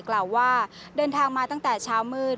กล่าวว่าเดินทางมาตั้งแต่เช้ามืด